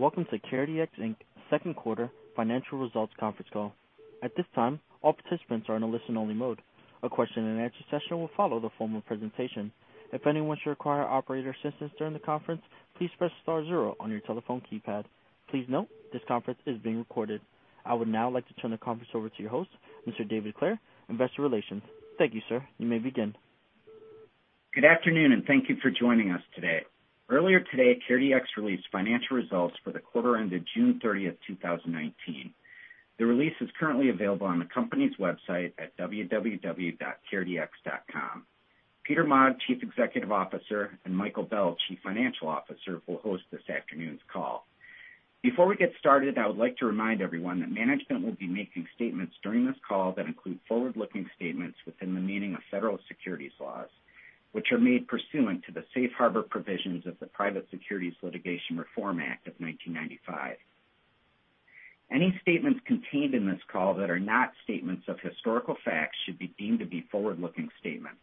Welcome to CareDx, Inc.'s second quarter financial results conference call. At this time, all participants are in a listen-only mode. A question and answer session will follow the formal presentation. If anyone should require operator assistance during the conference, please press star zero on your telephone keypad. Please note, this conference is being recorded. I would now like to turn the conference over to your host, Mr. David Clair, Investor Relations. Thank you, sir. You may begin. Good afternoon. Thank you for joining us today. Earlier today, CareDx released financial results for the quarter ended June thirtieth, 2019. The release is currently available on the company's website at www.caredx.com. Peter Maag, Chief Executive Officer, and Michael Bell, Chief Financial Officer, will host this afternoon's call. Before we get started, I would like to remind everyone that management will be making statements during this call that include forward-looking statements within the meaning of federal securities laws, which are made pursuant to the Safe Harbor provisions of the Private Securities Litigation Reform Act of 1995. Any statements contained in this call that are not statements of historical facts should be deemed to be forward-looking statements.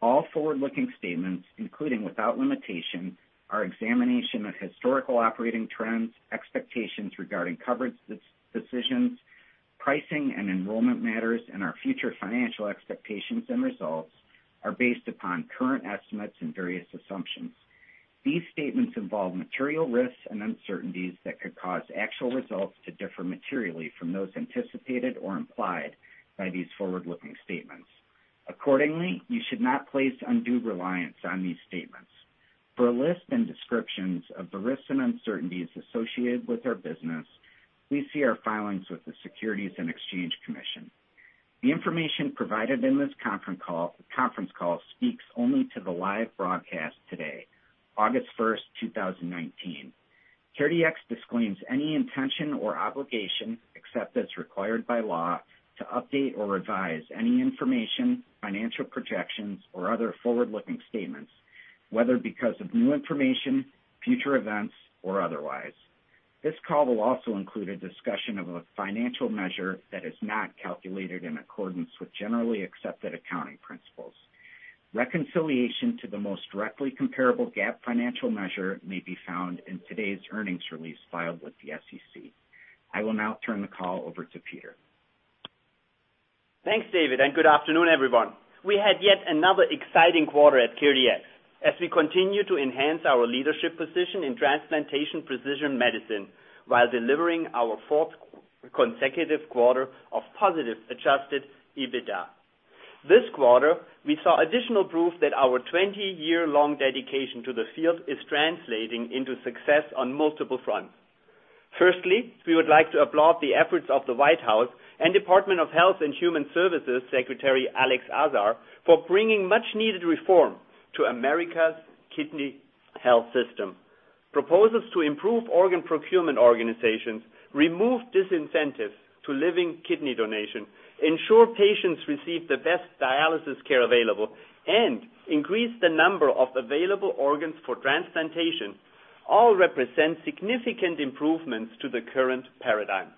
All forward-looking statements, including, without limitation, our examination of historical operating trends, expectations regarding coverage decisions, pricing and enrollment matters, and our future financial expectations and results are based upon current estimates and various assumptions. These statements involve material risks and uncertainties that could cause actual results to differ materially from those anticipated or implied by these forward-looking statements. Accordingly, you should not place undue reliance on these statements. For a list and descriptions of the risks and uncertainties associated with our business, please see our filings with the Securities and Exchange Commission. The information provided in this conference call speaks only to the live broadcast today, August first, 2019. CareDx disclaims any intention or obligation, except as required by law, to update or revise any information, financial projections, or other forward-looking statements, whether because of new information, future events, or otherwise. This call will also include a discussion of a financial measure that is not calculated in accordance with generally accepted accounting principles. Reconciliation to the most directly comparable GAAP financial measure may be found in today's earnings release filed with the SEC. I will now turn the call over to Peter. Thanks, David, and good afternoon, everyone. We had yet another exciting quarter at CareDx as we continue to enhance our leadership position in transplantation precision medicine while delivering our fourth consecutive quarter of positive adjusted EBITDA. This quarter, we saw additional proof that our 20-year-long dedication to the field is translating into success on multiple fronts. Firstly, we would like to applaud the efforts of the White House and Department of Health and Human Services Secretary Alex Azar for bringing much-needed reform to America's kidney health system. Proposals to improve organ procurement organizations, remove disincentives to living kidney donation, ensure patients receive the best dialysis care available, and increase the number of available organs for transplantation all represent significant improvements to the current paradigm.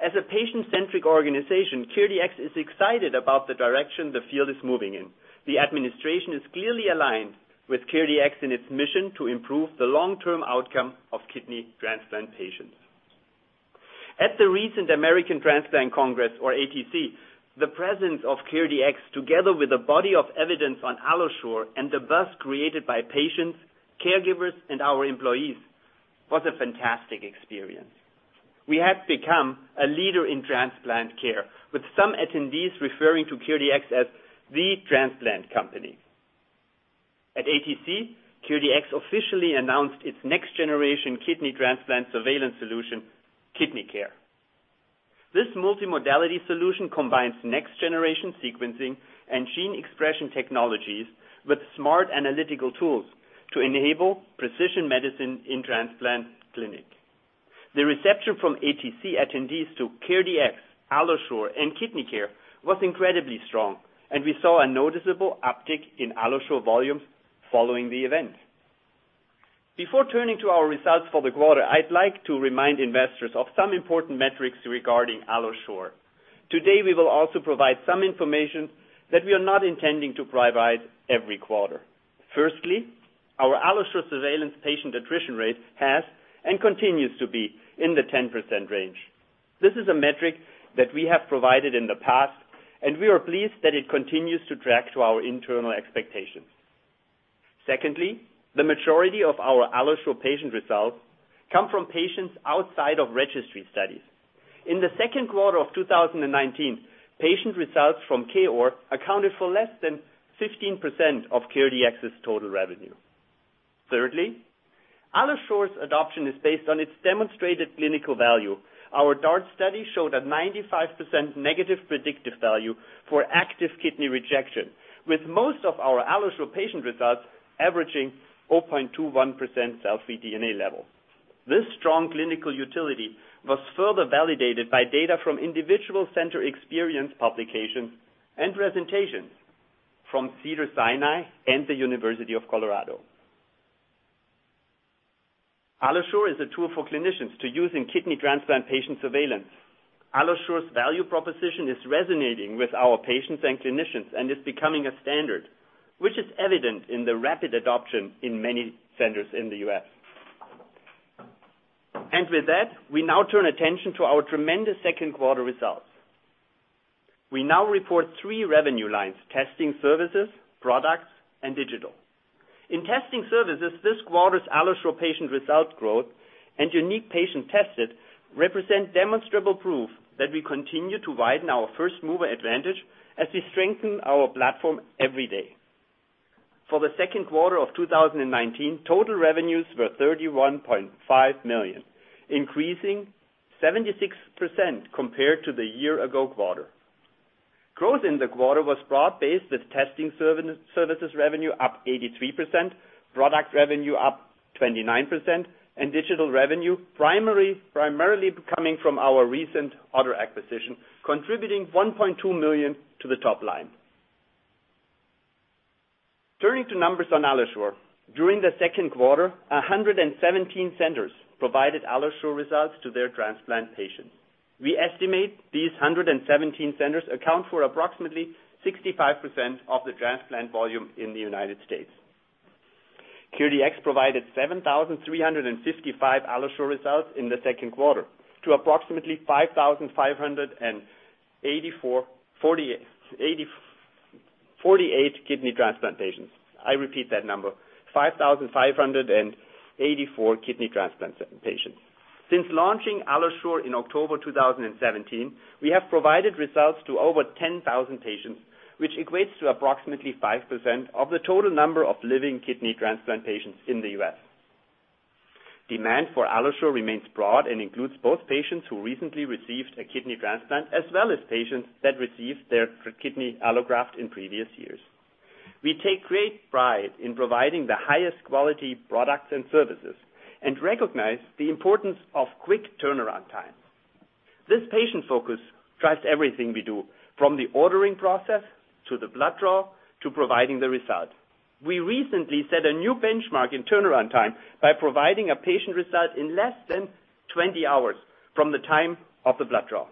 As a patient-centric organization, CareDx is excited about the direction the field is moving in. The administration is clearly aligned with CareDx in its mission to improve the long-term outcome of kidney transplant patients. At the recent American Transplant Congress, or ATC, the presence of CareDx, together with a body of evidence on AlloSure and the buzz created by patients, caregivers, and our employees, was a fantastic experience. We have become a leader in transplant care, with some attendees referring to CareDx as the transplant company. At ATC, CareDx officially announced its next-generation kidney transplant surveillance solution, KidneyCare. This multi-modality solution combines next-generation sequencing and gene expression technologies with smart analytical tools to enable precision medicine in transplant clinic. The reception from ATC attendees to CareDx, AlloSure, and KidneyCare was incredibly strong, and we saw a noticeable uptick in AlloSure volumes following the event. Before turning to our results for the quarter, I'd like to remind investors of some important metrics regarding AlloSure. Today, we will also provide some information that we are not intending to provide every quarter. Firstly, our AlloSure surveillance patient attrition rate has and continues to be in the 10% range. This is a metric that we have provided in the past, and we are pleased that it continues to track to our internal expectations. Secondly, the majority of our AlloSure patient results come from patients outside of registry studies. In the second quarter of 2019, patient results from KOR accounted for less than 15% of CareDx's total revenue. Thirdly, AlloSure's adoption is based on its demonstrated clinical value. Our DART study showed a 95% negative predictive value for active kidney rejection, with most of our AlloSure patient results averaging 0.21% cell-free DNA level. This strong clinical utility was further validated by data from individual center experience publications and presentations from Cedars-Sinai and the University of Colorado. AlloSure is a tool for clinicians to use in kidney transplant patient surveillance. AlloSure's value proposition is resonating with our patients and clinicians and is becoming a standard, which is evident in the rapid adoption in many centers in the U.S. With that, we now turn attention to our tremendous second quarter results. We now report three revenue lines, testing services, products, and digital. In testing services, this quarter's AlloSure patient result growth and unique patient tested represent demonstrable proof that we continue to widen our first-mover advantage as we strengthen our platform every day. For the second quarter of 2019, total revenues were $31.5 million, increasing 76% compared to the year ago quarter. Growth in the quarter was broad-based with testing services revenue up 83%, product revenue up 29%, and digital revenue primarily coming from our recent OTTR acquisition, contributing $1.2 million to the top line. Turning to numbers on AlloSure. During the second quarter, 117 centers provided AlloSure results to their transplant patients. We estimate these 117 centers account for approximately 65% of the transplant volume in the U.S. CareDx provided 7,355 AlloSure results in the second quarter to approximately 5,548 kidney transplant patients. I repeat that number, 5,584 kidney transplant patients. Since launching AlloSure in October 2017, we have provided results to over 10,000 patients, which equates to approximately 5% of the total number of living kidney transplant patients in the U.S. Demand for AlloSure remains broad and includes both patients who recently received a kidney transplant, as well as patients that received their kidney allograft in previous years. We take great pride in providing the highest quality products and services and recognize the importance of quick turnaround time. This patient focus drives everything we do, from the ordering process, to the blood draw, to providing the result. We recently set a new benchmark in turnaround time by providing a patient result in less than 20 hours from the time of the blood draw.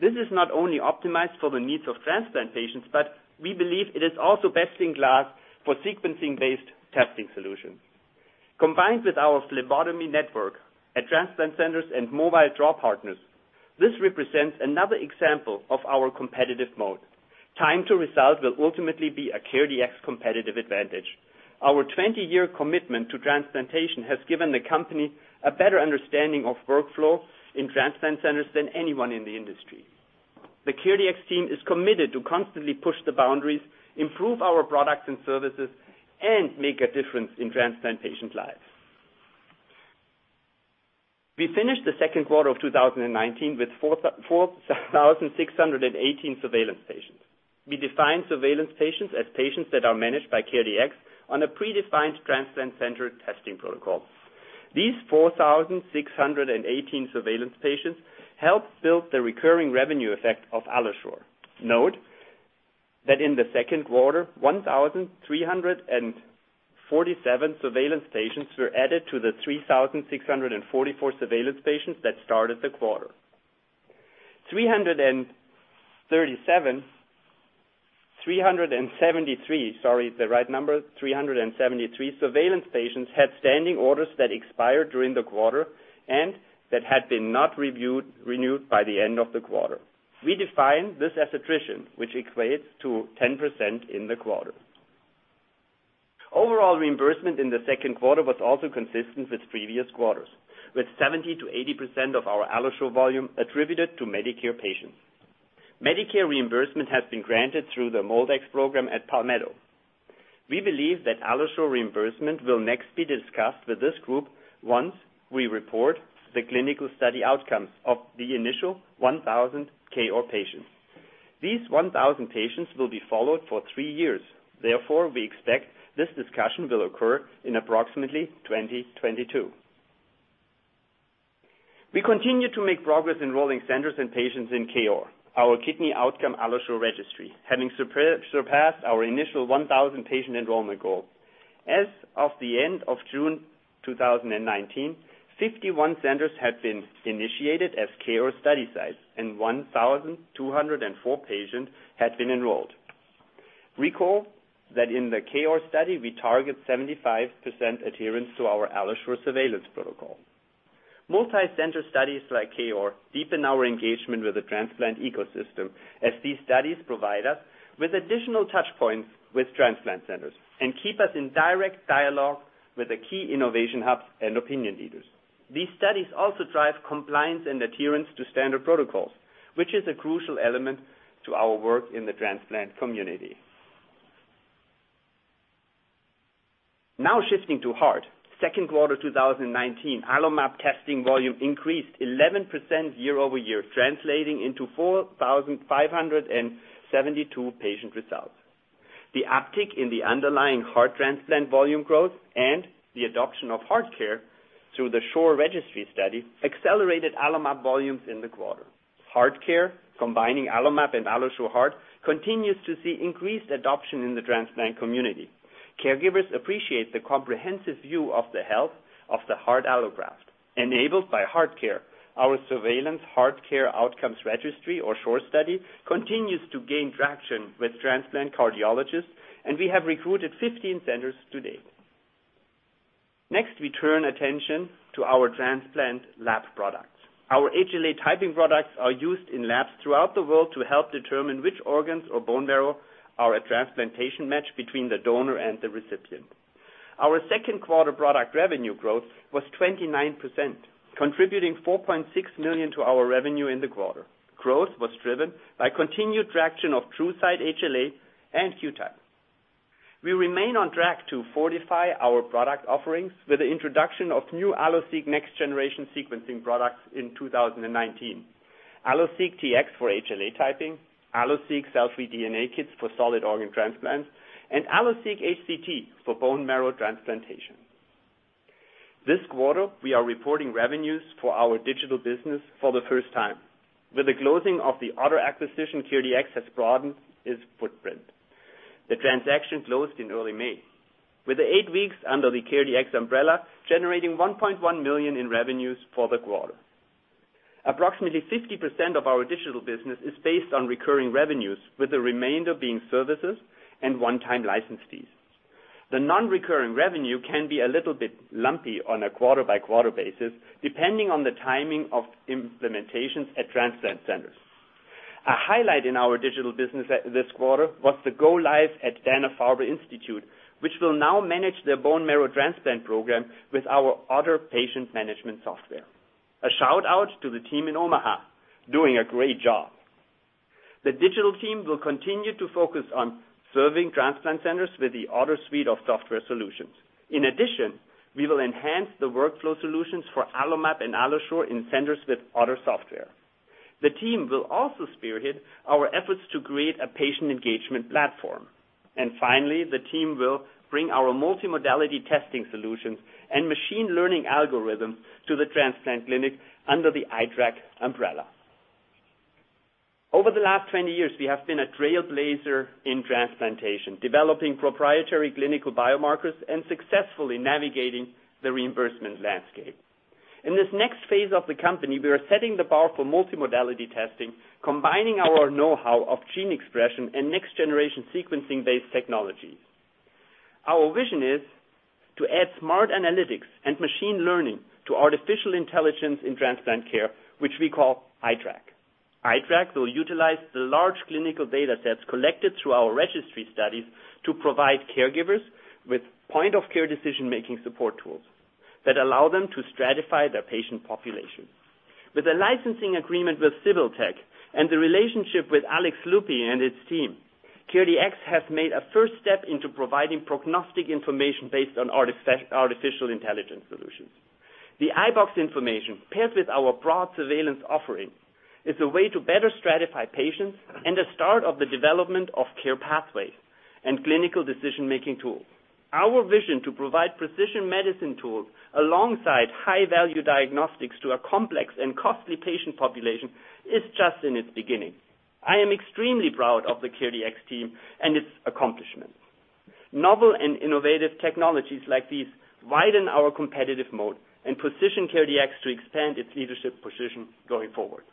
This is not only optimized for the needs of transplant patients, but we believe it is also best in class for sequencing-based testing solutions. Combined with our phlebotomy network at transplant centers and mobile draw partners, this represents another example of our competitive moat. Time to result will ultimately be a CareDx competitive advantage. Our 20-year commitment to transplantation has given the company a better understanding of workflow in transplant centers than anyone in the industry. The CareDx team is committed to constantly push the boundaries, improve our products and services, and make a difference in transplant patients' lives. We finished the second quarter of 2019 with 4,618 surveillance patients. We define surveillance patients as patients that are managed by CareDx on a predefined transplant center testing protocol. These 4,618 surveillance patients helped build the recurring revenue effect of AlloSure. Note that in the second quarter, 1,347 surveillance patients were added to the 3,644 surveillance patients that started the quarter. 373 surveillance patients had standing orders that expired during the quarter and that had been not renewed by the end of the quarter. We define this as attrition, which equates to 10% in the quarter. Overall reimbursement in the second quarter was also consistent with previous quarters, with 70%-80% of our AlloSure volume attributed to Medicare patients. Medicare reimbursement has been granted through the MolDX program at Palmetto. We believe that AlloSure reimbursement will next be discussed with this group once we report the clinical study outcomes of the initial 1,000 KOAR patients. These 1,000 patients will be followed for three years. Therefore, we expect this discussion will occur in approximately 2022. We continue to make progress enrolling centers and patients in KOAR, our Kidney Allograft Outcomes AlloSure Registry, having surpassed our initial 1,000 patient enrollment goal. As of the end of June 2019, 51 centers had been initiated as KOAR study sites, and 1,204 patients had been enrolled. Recall that in the KOAR study, we target 75% adherence to our AlloSure surveillance protocol. Multi-center studies like KOAR deepen our engagement with the transplant ecosystem as these studies provide us with additional touchpoints with transplant centers and keep us in direct dialogue with the key innovation hubs and opinion leaders. These studies also drive compliance and adherence to standard protocols, which is a crucial element to our work in the transplant community. Now shifting to heart. Second quarter 2019, AlloMap testing volume increased 11% year-over-year, translating into 4,572 patient results. The uptick in the underlying heart transplant volume growth and the adoption of HeartCare through the SHORE Registry study accelerated AlloMap volumes in the quarter. HeartCare, combining AlloMap and AlloSure Heart, continues to see increased adoption in the transplant community. Caregivers appreciate the comprehensive view of the health of the heart allograft enabled by HeartCare. Our surveillance HeartCare Outcomes Registry, or SHORE study, continues to gain traction with transplant cardiologists, and we have recruited 15 centers to date. Next, we turn attention to our transplant lab products. Our HLA typing products are used in labs throughout the world to help determine which organs or bone marrow are a transplantation match between the donor and the recipient. Our second quarter product revenue growth was 29%, contributing $4.6 million to our revenue in the quarter. Growth was driven by continued traction of TruSight HLA and QTYPE. We remain on track to fortify our product offerings with the introduction of new AlloSeq next-generation sequencing products in 2019. AlloSeq Tx for HLA typing, AlloSeq cell-free DNA kits for solid organ transplants, and AlloSeq HCT for bone marrow transplantation. This quarter, we are reporting revenues for our digital business for the first time. With the closing of the OTTR acquisition, CareDx has broadened its footprint. The transaction closed in early May. With the eight weeks under the CareDx umbrella, generating $1.1 million in revenues for the quarter. Approximately 50% of our digital business is based on recurring revenues, with the remainder being services and one-time license fees. The non-recurring revenue can be a little bit lumpy on a quarter-by-quarter basis, depending on the timing of implementations at transplant centers. A highlight in our digital business this quarter was the go live at Dana-Farber Cancer Institute, which will now manage their bone marrow transplant program with our OTTR patient management software. A shout-out to the team in Omaha. Doing a great job. The digital team will continue to focus on serving transplant centers with the OTTR suite of software solutions. We will enhance the workflow solutions for AlloMap and AlloSure in centers with OTTR software. The team will also spearhead our efforts to create a patient engagement platform. Finally, the team will bring our multimodality testing solutions and machine learning algorithms to the transplant clinic under the AiTraC umbrella. Over the last 20 years, we have been a trailblazer in transplantation, developing proprietary clinical biomarkers and successfully navigating the reimbursement landscape. In this next phase of the company, we are setting the bar for multimodality testing, combining our know-how of gene expression and next-generation sequencing-based technologies. Our vision is to add smart analytics and machine learning to artificial intelligence in transplant care, which we call AiTraC. AiTraC will utilize the large clinical data sets collected through our registry studies to provide caregivers with point-of-care decision-making support tools that allow them to stratify their patient population. With a licensing agreement with Cibiltech and the relationship with Alex Loupy and his team, CareDx has made a first step into providing prognostic information based on artificial intelligence solutions. The iBox information, paired with our broad surveillance offering, is a way to better stratify patients and the start of the development of care pathways and clinical decision-making tools. Our vision to provide precision medicine tools alongside high-value diagnostics to a complex and costly patient population is just in its beginning. I am extremely proud of the CareDx team and its accomplishments. Novel and innovative technologies like these widen our competitive moat and position CareDx to extend its leadership position going forward.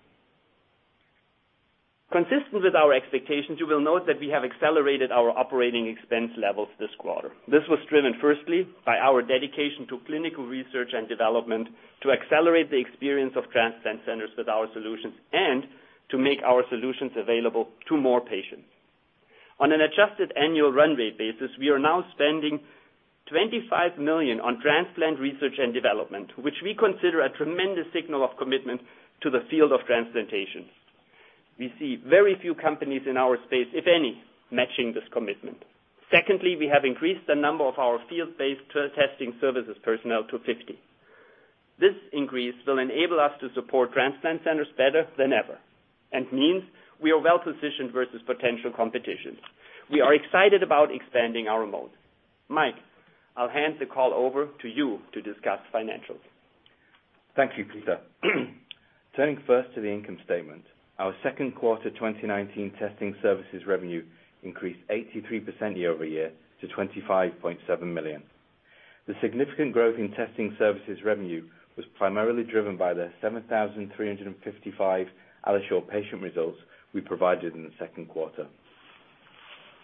Consistent with our expectations, you will note that we have accelerated our operating expense levels this quarter. This was driven firstly by our dedication to clinical research and development to accelerate the experience of transplant centers with our solutions and to make our solutions available to more patients. On an adjusted annual run rate basis, we are now spending $25 million on transplant research and development, which we consider a tremendous signal of commitment to the field of transplantation. We see very few companies in our space, if any, matching this commitment. Secondly, we have increased the number of our field-based testing services personnel to 50. This increase will enable us to support transplant centers better than ever and means we are well-positioned versus potential competition. We are excited about expanding our moat. Mike, I'll hand the call over to you to discuss financials. Thank you, Peter. Turning first to the income statement. Our second quarter 2019 testing services revenue increased 83% year-over-year to $25.7 million. The significant growth in testing services revenue was primarily driven by the 7,355 AlloSure patient results we provided in the second quarter.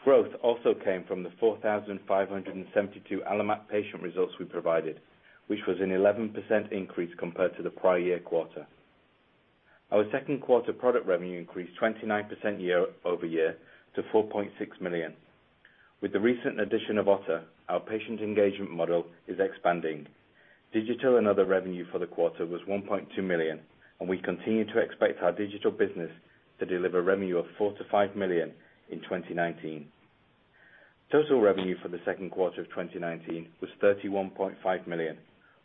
Growth also came from the 4,572 AlloMap patient results we provided, which was an 11% increase compared to the prior year quarter. Our second quarter product revenue increased 29% year-over-year to $4.6 million. With the recent addition of OTTR, our patient engagement model is expanding. Digital and other revenue for the quarter was $1.2 million, and we continue to expect our digital business to deliver revenue of $4 million-$5 million in 2019. Total revenue for the second quarter of 2019 was $31.5 million,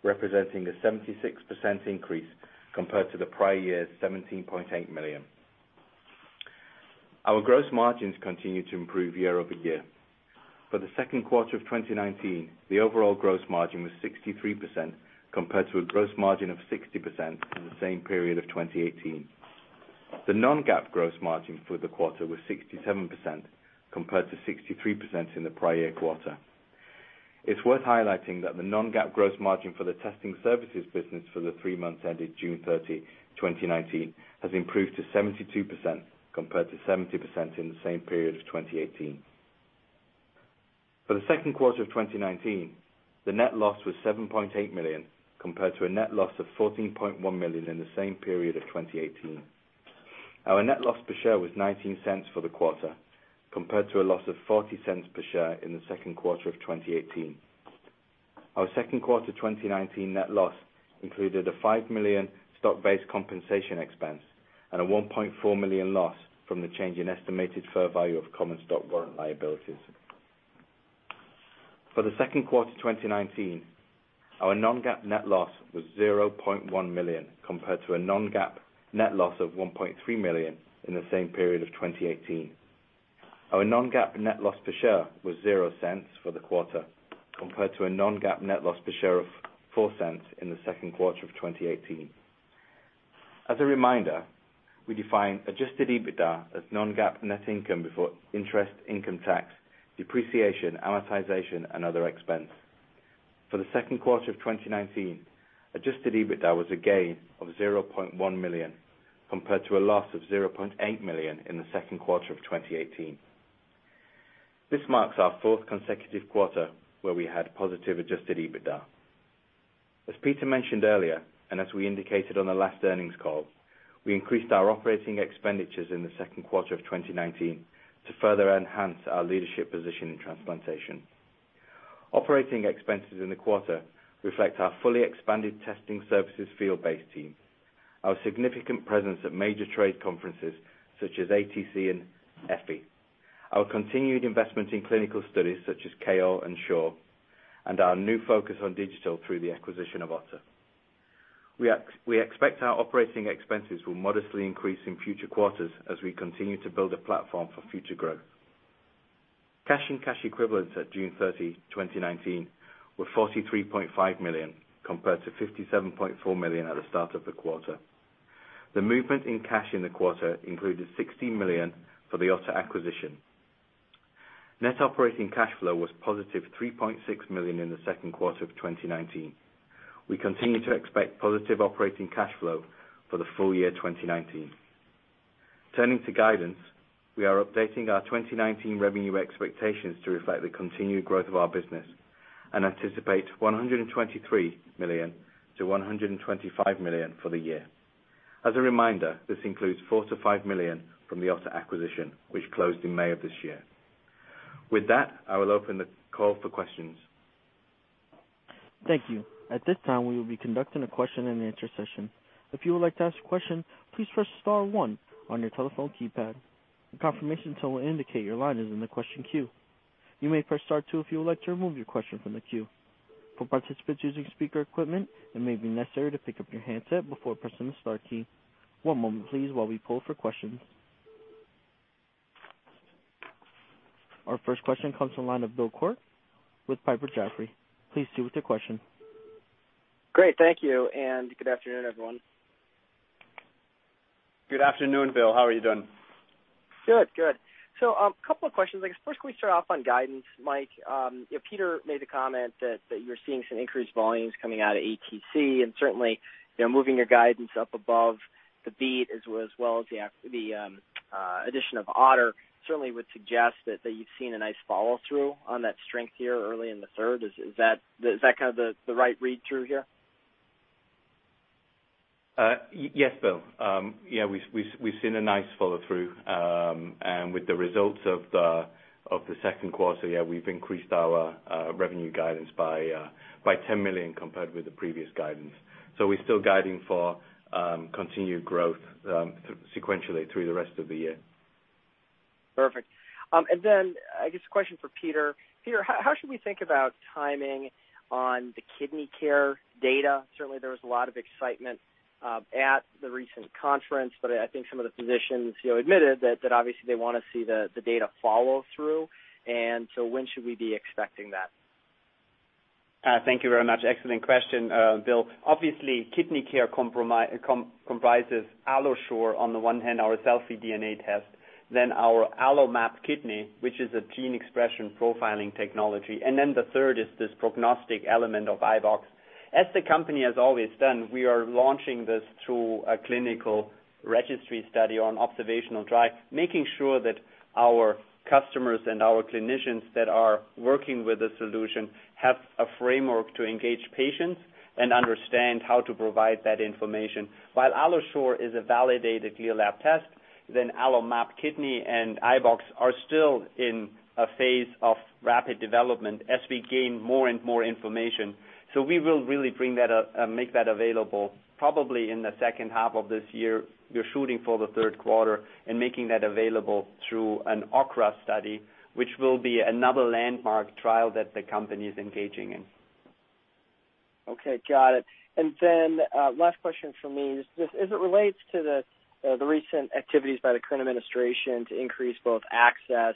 representing a 76% increase compared to the prior year's $17.8 million. Our gross margins continued to improve year-over-year. For the second quarter of 2019, the overall gross margin was 63%, compared to a gross margin of 60% in the same period of 2018. The non-GAAP gross margin for the quarter was 67%, compared to 63% in the prior year quarter. It's worth highlighting that the non-GAAP gross margin for the testing services business for the three months ended June 30, 2019, has improved to 72%, compared to 70% in the same period of 2018. For the second quarter of 2019, the net loss was $7.8 million, compared to a net loss of $14.1 million in the same period of 2018. Our net loss per share was $0.19 for the quarter, compared to a loss of $0.40 per share in the second quarter of 2018. Our second quarter 2019 net loss included a $5 million stock-based compensation expense and a $1.4 million loss from the change in estimated fair value of common stock warrant liabilities. For the second quarter 2019, our non-GAAP net loss was $0.1 million, compared to a non-GAAP net loss of $1.3 million in the same period of 2018. Our non-GAAP net loss per share was $0.00 for the quarter, compared to a non-GAAP net loss per share of $0.04 in the second quarter of 2018. As a reminder, we define adjusted EBITDA as non-GAAP net income before interest, income tax, depreciation, amortization, and other expense. For the second quarter of 2019, adjusted EBITDA was a gain of $0.1 million, compared to a loss of $0.8 million in the second quarter of 2018. This marks our fourth consecutive quarter where we had positive adjusted EBITDA. As Peter mentioned earlier, as we indicated on the last earnings call, we increased our operating expenditures in the second quarter of 2019 to further enhance our leadership position in transplantation. Operating expenses in the quarter reflect our fully expanded testing services field-based team, our significant presence at major trade conferences such as ATC and EFI, our continued investment in clinical studies such as CAEL and SHORE, and our new focus on digital through the acquisition of OTTR. We expect our operating expenses will modestly increase in future quarters as we continue to build a platform for future growth. Cash and cash equivalents at June 30, 2019, were $43.5 million compared to $57.4 million at the start of the quarter. The movement in cash in the quarter included $16 million for the OTTR acquisition. Net operating cash flow was positive $3.6 million in the second quarter of 2019. We continue to expect positive operating cash flow for the full year 2019. Turning to guidance, we are updating our 2019 revenue expectations to reflect the continued growth of our business and anticipate $123 million-$125 million for the year. As a reminder, this includes $4 million-$5 million from the OTTR acquisition, which closed in May of this year. With that, I will open the call for questions. Thank you. At this time, we will be conducting a question and answer session. If you would like to ask a question, please press star 1 on your telephone keypad. A confirmation tone will indicate your line is in the question queue. You may press star 2 if you would like to remove your question from the queue. For participants using speaker equipment, it may be necessary to pick up your handset before pressing the star key. One moment please while we poll for questions. Our first question comes from the line of Bill Quirk with Piper Jaffray. Please proceed with your question. Great. Thank you, and good afternoon, everyone. Good afternoon, Bill. How are you doing? Good. A couple of questions. I guess first can we start off on guidance, Mike? Peter made the comment that you're seeing some increased volumes coming out of ATC and certainly, they're moving your guidance up above the beat as well as the addition of OTTR, certainly would suggest that you've seen a nice follow-through on that strength here early in the third. Is that the right read-through here? Yes, Bill. We've seen a nice follow-through. With the results of the second quarter, yeah, we've increased our revenue guidance by $10 million compared with the previous guidance. We're still guiding for continued growth sequentially through the rest of the year. Perfect. I guess a question for Peter. Peter, how should we think about timing on the KidneyCare data? Certainly, there was a lot of excitement at the recent conference, but I think some of the physicians admitted that obviously they want to see the data follow through, when should we be expecting that? Thank you very much. Excellent question, Bill. Obviously, KidneyCare comprises AlloSure on the one hand, our cell-free DNA test, then our AlloMap Kidney, which is a gene expression profiling technology, and then the third is this prognostic element of iBox. As the company has always done, we are launching this through a clinical registry study on observational drive, making sure that our customers and our clinicians that are working with the solution have a framework to engage patients and understand how to provide that information. While AlloSure is a validated MolDX test, then AlloMap Kidney and iBox are still in a phase of rapid development as we gain more and more information. We will really make that available probably in the second half of this year. We're shooting for the third quarter and making that available through an OKRA study, which will be another landmark trial that the company is engaging in. Okay, got it. Last question from me. As it relates to the recent activities by the current administration to increase both access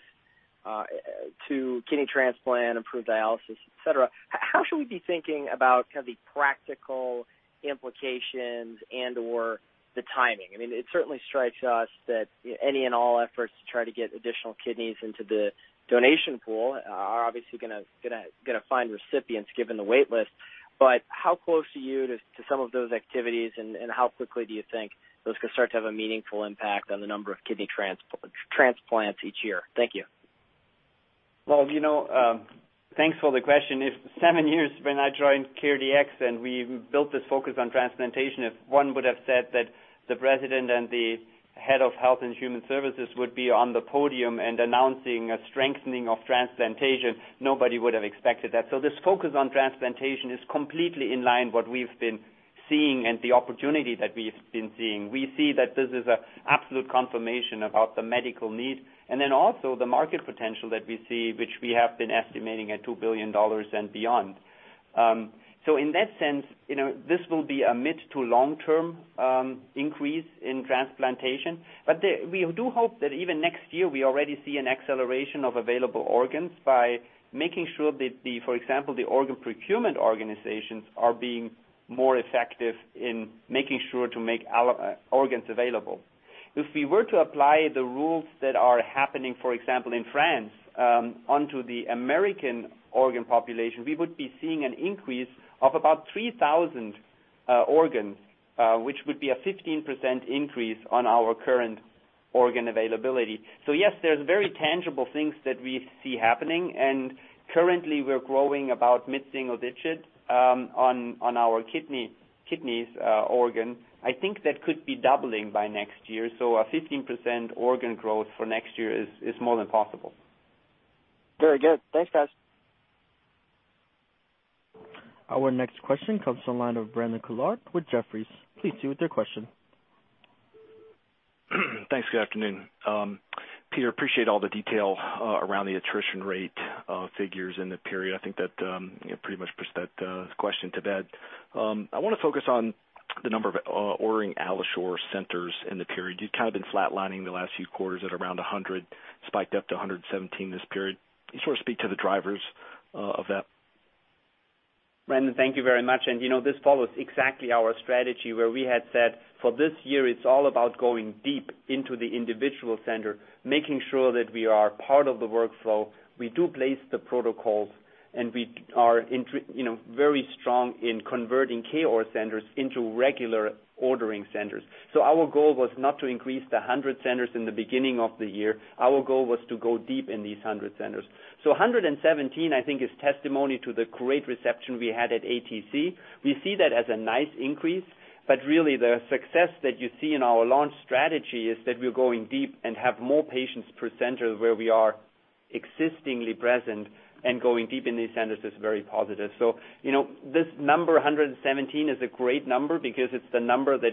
to kidney transplant, improved dialysis, et cetera. How should we be thinking about the practical implications and/or the timing? It certainly strikes us that any and all efforts to try to get additional kidneys into the donation pool are obviously going to find recipients, given the wait list. How close are you to some of those activities, and how quickly do you think those could start to have a meaningful impact on the number of kidney transplants each year? Thank you. Well, thanks for the question. Seven years when I joined CareDx, we built this focus on transplantation, if one would've said that the President and the head of Health and Human Services would be on the podium and announcing a strengthening of transplantation, nobody would've expected that. This focus on transplantation is completely in line with what we've been seeing and the opportunity that we've been seeing. We see that this is an absolute confirmation about the medical need, also the market potential that we see, which we have been estimating at $2 billion and beyond. In that sense, this will be a mid to long-term increase in transplantation. We do hope that even next year, we already see an acceleration of available organs by making sure that, for example, the organ procurement organizations are being more effective in making sure to make organs available. If we were to apply the rules that are happening, for example, in France, onto the American organ population, we would be seeing an increase of about 3,000 organs, which would be a 15% increase on our current organ availability. Yes, there's very tangible things that we see happening, and currently we're growing about mid-single digits on our kidney organs. I think that could be doubling by next year. A 15% organ growth for next year is more than possible. Very good. Thanks, guys. Our next question comes from the line of Brandon Couillard with Jefferies. Please continue with your question. Thanks. Good afternoon. Peter, appreciate all the detail around the attrition rate figures in the period. I think that pretty much pushed that question to bed. I want to focus on the number of ordering AlloSure centers in the period. You've kind of been flatlining the last few quarters at around 100, spiked up to 117 this period. Can you sort of speak to the drivers of that? Brandon, thank you very much. This follows exactly our strategy where we had said, for this year, it's all about going deep into the individual center, making sure that we are part of the workflow. We do place the protocols, and we are very strong in converting KOAR centers into regular ordering centers. Our goal was not to increase the 100 centers in the beginning of the year. Our goal was to go deep in these 100 centers. 117, I think, is testimony to the great reception we had at ATC. We see that as a nice increase, but really the success that you see in our launch strategy is that we are going deep and have more patients per center where we are existingly present, and going deep in these centers is very positive. This number, 117, is a great number because it's the number of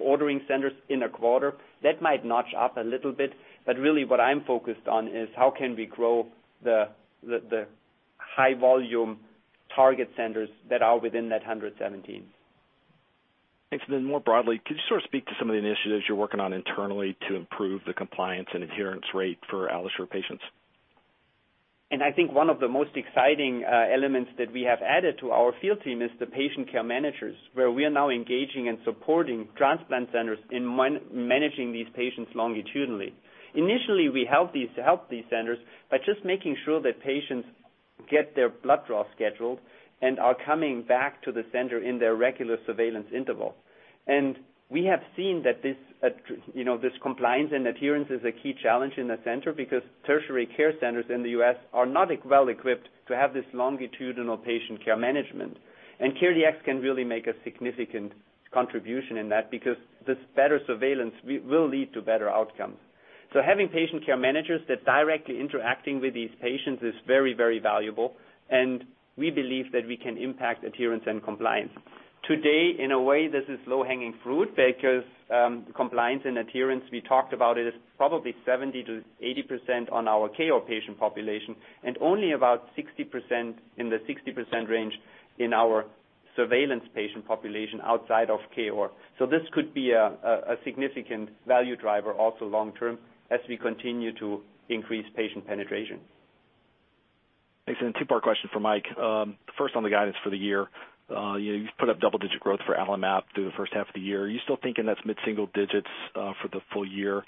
ordering centers in a quarter. That might notch up a little bit, but really what I'm focused on is how can we grow the high-volume target centers that are within that 117. Thanks. More broadly, could you sort of speak to some of the initiatives you're working on internally to improve the compliance and adherence rate for AlloSure patients? I think one of the most exciting elements that we have added to our field team is the patient care managers, where we are now engaging and supporting transplant centers in managing these patients longitudinally. Initially, we helped these centers by just making sure that patients get their blood draw scheduled and are coming back to the center in their regular surveillance interval. We have seen that this compliance and adherence is a key challenge in the center because tertiary care centers in the U.S. are not well-equipped to have this longitudinal patient care management. CareDx can really make a significant contribution in that, because this better surveillance will lead to better outcomes. Having patient care managers that directly interacting with these patients is very valuable, and we believe that we can impact adherence and compliance. Today, in a way, this is low-hanging fruit because compliance and adherence, we talked about it, is probably 70%-80% on our KOAR patient population, and only about 60% in the 60% range in our surveillance patient population outside of KOAR. This could be a significant value driver also long-term, as we continue to increase patient penetration. Thanks. A two-part question for Mike. First on the guidance for the year. You've put up double-digit growth for AlloMap through the first half of the year. Are you still thinking that's mid-single digits for the full year?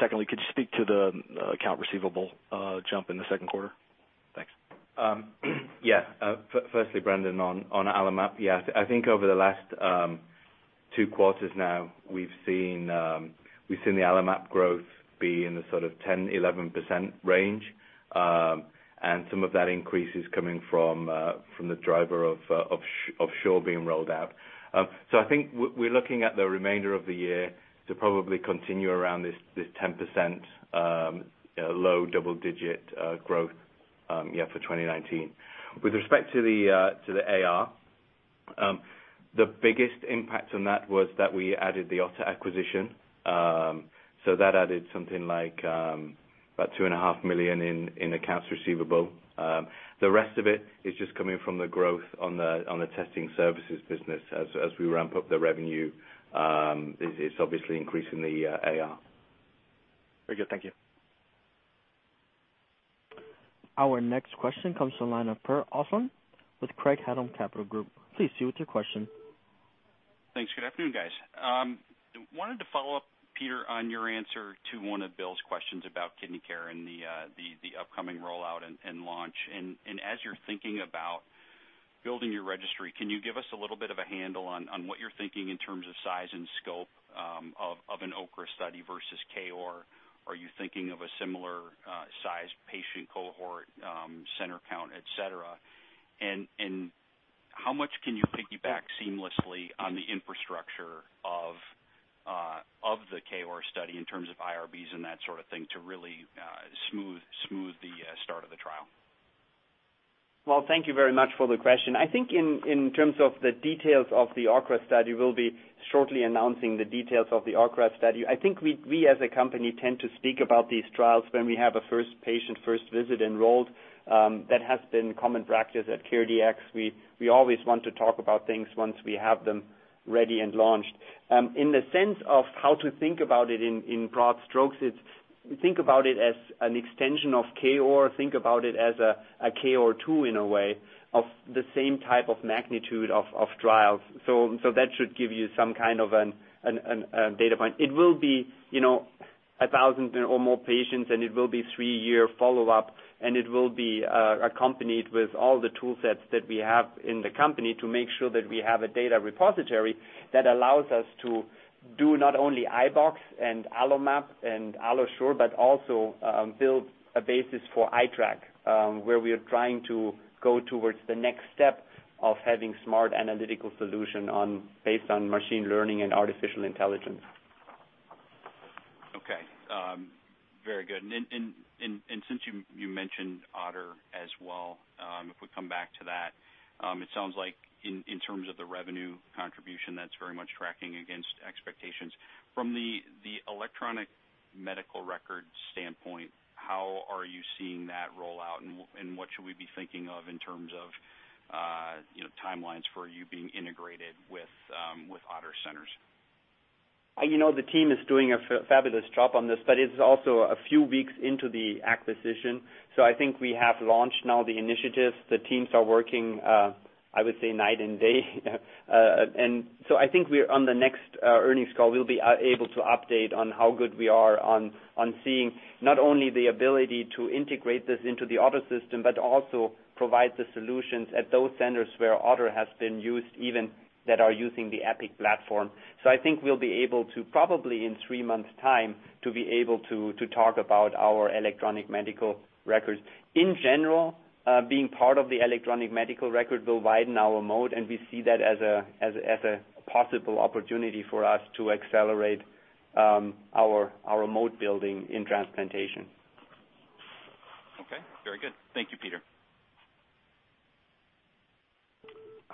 Secondly, could you speak to the account receivable jump in the second quarter? Thanks. Yeah. Firstly, Brandon, on AlloMap, yes. I think over the last two quarters now, we've seen the AlloMap growth be in the sort of 10%-11% range. Some of that increase is coming from the driver of AlloSure being rolled out. I think we're looking at the remainder of the year to probably continue around this 10%, low double-digit growth for 2019. With respect to the AR, the biggest impact on that was that we added the OTTR acquisition. That added something like about two and a half million USD in accounts receivable. The rest of it is just coming from the growth on the testing services business as we ramp up the revenue. It's obviously increasing the AR. Very good. Thank you. Our next question comes from the line of Per Ostlund with Craig-Hallum Capital Group. Please proceed with your question. Thanks. Good afternoon, guys. I wanted to follow up, Peter, on your answer to one of Bill's questions about KidneyCare and the upcoming rollout and launch. As you're thinking about building your registry, can you give us a little bit of a handle on what you're thinking in terms of size and scope of an OKRA study versus KOAR? Are you thinking of a similar size patient cohort, center count, et cetera? How much can you piggyback seamlessly on the infrastructure of the KOAR study in terms of IRBs and that sort of thing to really smooth the start of the trial? Thank you very much for the question. I think in terms of the details of the ORCA study, we'll be shortly announcing the details of the ORCA study. I think we as a company tend to speak about these trials when we have a first patient, first visit enrolled. That has been common practice at CareDx. We always want to talk about things once we have them ready and launched. In the sense of how to think about it in broad strokes, think about it as an extension of KOAR. Think about it as a KOAR 2 in a way, of the same type of magnitude of trials. That should give you some kind of a data point. It will be 1,000 or more patients, and it will be three-year follow-up, and it will be accompanied with all the tool sets that we have in the company to make sure that we have a data repository that allows us to do not only iBox and AlloMap and AlloSure, but also build a basis for AiTraC, where we are trying to go towards the next step of having smart analytical solution based on machine learning and artificial intelligence. Okay. Very good. Since you mentioned OTTR as well, if we come back to that, it sounds like in terms of the revenue contribution, that's very much tracking against expectations. From the electronic medical record standpoint, how are you seeing that roll out and what should we be thinking of in terms of timelines for you being integrated with OTTR centers? The team is doing a fabulous job on this, but it's also a few weeks into the acquisition. I think we have launched now the initiatives. The teams are working, I would say, night and day. I think we're on the next earnings call, we'll be able to update on how good we are on seeing not only the ability to integrate this into the OTTR system, but also provide the solutions at those centers where OTTR has been used, even that are using the Epic platform. I think we'll be able to, probably in three months' time, to be able to talk about our electronic medical records. In general, being part of the electronic medical record will widen our mode, and we see that as a possible opportunity for us to accelerate our mode building in transplantation. Okay. Very good. Thank you, Peter.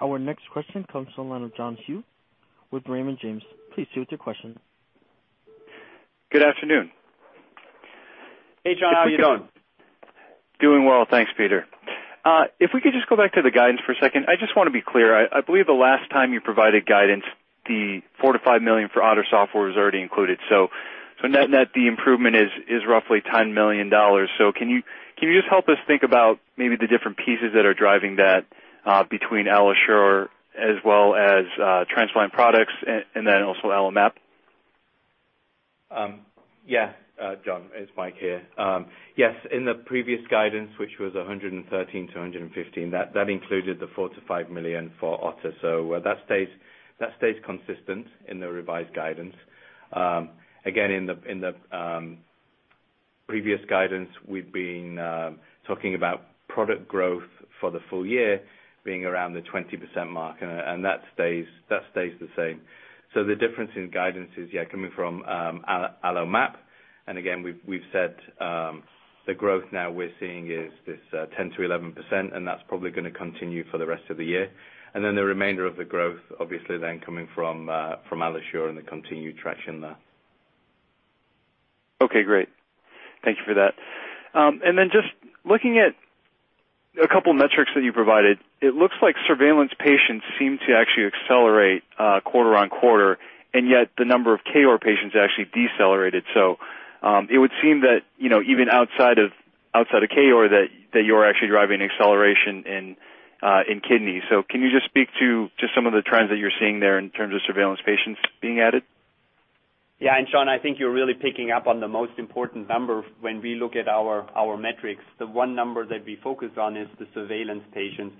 Our next question comes from the line of John Hu with Raymond James. Please proceed with your question. Good afternoon. Hey, John. How are you doing? How's it going? Doing well. Thanks, Peter. We could just go back to the guidance for a second. I just want to be clear. I believe the last time you provided guidance, the $4 million-$5 million for OTTR Software was already included. Net net, the improvement is roughly $10 million. Can you just help us think about maybe the different pieces that are driving that, between AlloSure as well as transplant products and then also AlloMap? John, it's Michael Bell here. In the previous guidance, which was $113 million-$115 million, that included the $4 million-$5 million for OTTR. That stays consistent in the revised guidance. In the previous guidance, we've been talking about product growth for the full year being around the 20% mark, that stays the same. The difference in guidance is coming from AlloMap. We've said the growth now we're seeing is this 10%-11%, that's probably going to continue for the rest of the year. The remainder of the growth, obviously then coming from AlloSure and the continued traction there. Okay, great. Thank you for that. Just looking at a couple metrics that you provided, it looks like surveillance patients seem to actually accelerate quarter-on-quarter, and yet the number of KOR patients actually decelerated. It would seem that even outside of KOR, that you're actually driving acceleration in kidneys. Can you just speak to some of the trends that you're seeing there in terms of surveillance patients being added? Yeah. John, I think you're really picking up on the most important number when we look at our metrics. The one number that we focus on is the surveillance patient.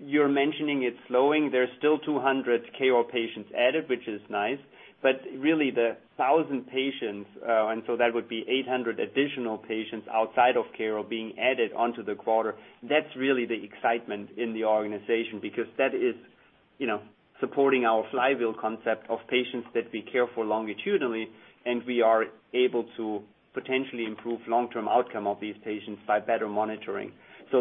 You're mentioning it's slowing. There's still 200 KOAR patients added, which is nice, but really the 1,000 patients, and so that would be 800 additional patients outside of KOAR being added onto the quarter. That's really the excitement in the organization because that is supporting our flywheel concept of patients that we care for longitudinally, and we are able to potentially improve long-term outcome of these patients by better monitoring.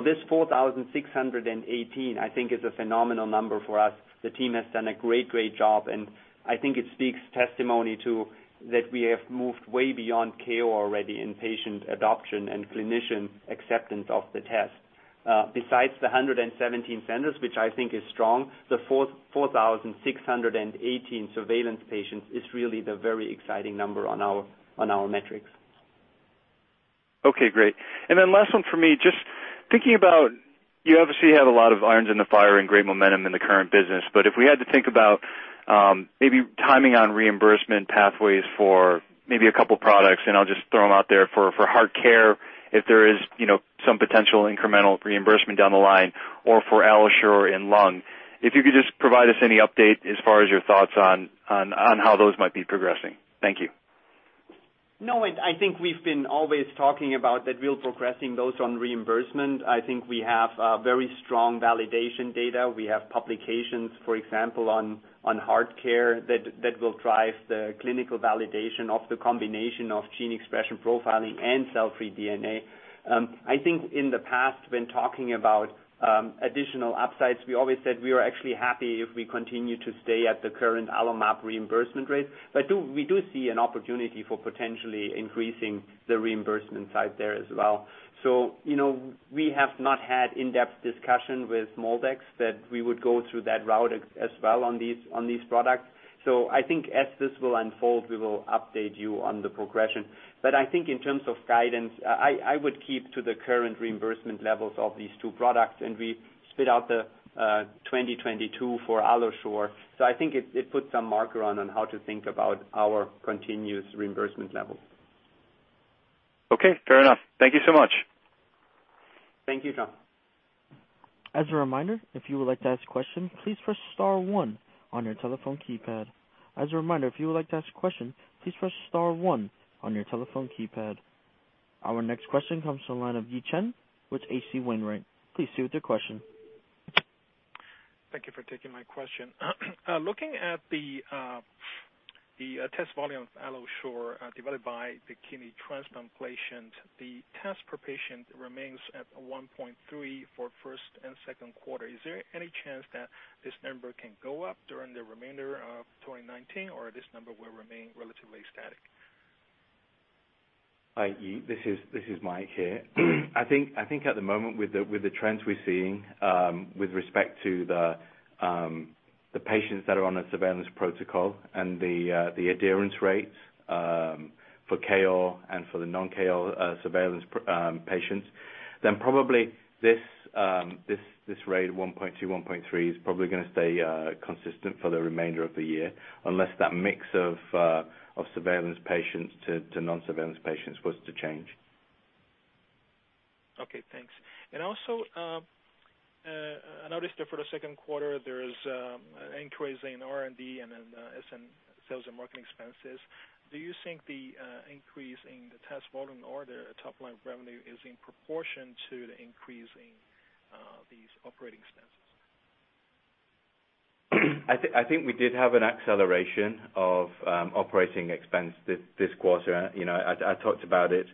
This 4,618, I think is a phenomenal number for us. The team has done a great job, and I think it speaks testimony to that we have moved way beyond KOR already in patient adoption and clinician acceptance of the test. Besides the 117 centers, which I think is strong, the 4,618 surveillance patients is really the very exciting number on our metrics. Okay, great. Last one for me, just thinking about, you obviously have a lot of irons in the fire and great momentum in the current business, but if we had to think about maybe timing on reimbursement pathways for maybe a couple products, and I'll just throw them out there, for HeartCare, if there is some potential incremental reimbursement down the line, or for AlloSure in lung. If you could just provide us any update as far as your thoughts on how those might be progressing. Thank you. I think we've been always talking about that we're progressing those on reimbursement. I think we have very strong validation data. We have publications, for example, on HeartCare, that will drive the clinical validation of the combination of gene expression profiling and cell-free DNA. I think in the past, when talking about additional upsides, we always said we are actually happy if we continue to stay at the current AlloMap reimbursement rate. We do see an opportunity for potentially increasing the reimbursement side there as well. We have not had in-depth discussion with MolDX that we would go through that route as well on these products. I think as this will unfold, we will update you on the progression. I think in terms of guidance, I would keep to the current reimbursement levels of these two products, and we spit out the 2022 for AlloSure. I think it puts some marker on how to think about our continuous reimbursement level. Okay, fair enough. Thank you so much. Thank you, John. As a reminder, if you would like to ask a question, please press star one on your telephone keypad. As a reminder, if you would like to ask a question, please press star one on your telephone keypad. Our next question comes from the line of Yi Chen with H.C. Wainwright. Please proceed with your question. Thank you for taking my question. Looking at the test volume of AlloSure divided by the kidney transplant patients, the test per patient remains at 1.3 for first and second quarter. Is there any chance that this number can go up during the remainder of 2019, or this number will remain relatively static? Hi, Yi, this is Mike here. I think at the moment, with the trends we're seeing with respect to the patients that are on a surveillance protocol and the adherence rates for KOAR and for the non-KOAR surveillance patients, then probably this rate of 1.2, 1.3 is probably going to stay consistent for the remainder of the year, unless that mix of surveillance patients to non-surveillance patients was to change. Okay, thanks. Also, I noticed that for the second quarter, there is an increase in R&D and in sales and marketing expenses. Do you think the increase in the test volume or the top line revenue is in proportion to the increase in these operating expenses? I think we did have an acceleration of operating expense this quarter. I talked about it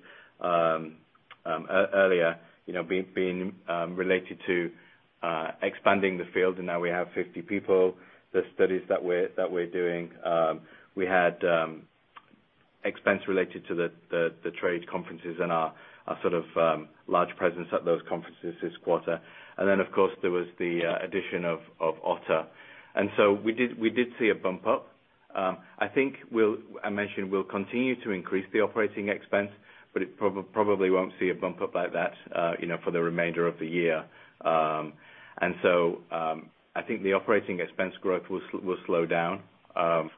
earlier, being related to expanding the field, and now we have 50 people. The studies that we're doing, we had expense related to the trade conferences and our sort of large presence at those conferences this quarter. Then, of course, there was the addition of OTTR. So we did see a bump up. I think I mentioned we'll continue to increase the operating expense, but it probably won't see a bump up like that for the remainder of the year. So I think the operating expense growth will slow down for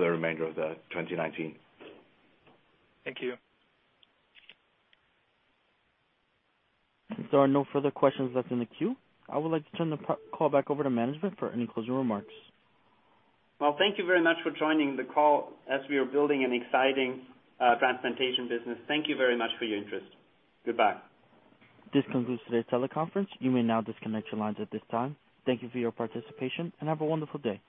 the remainder of 2019. Thank you. Since there are no further questions left in the queue, I would like to turn the call back over to management for any closing remarks. Well, thank you very much for joining the call as we are building an exciting transplantation business. Thank you very much for your interest. Goodbye. This concludes today's teleconference. You may now disconnect your lines at this time. Thank you for your participation, and have a wonderful day.